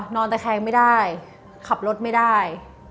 นอนตะแคงไม่ได้ขับรถไม่ได้